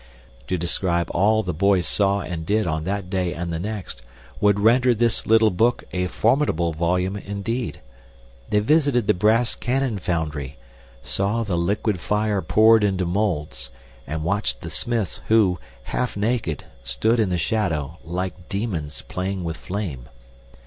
To describe all the boys saw and did on that day and the next would render this little book a formidable volume indeed. They visited the brass cannon foundry, saw the liquid fire poured into molds, and watched the smiths, who, half naked, stood in the shadow, like demons playing with flame.